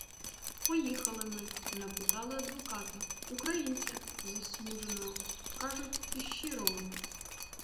Поїхали ми, напитали адвоката, українця, заслуженого, кажуть, і щирого.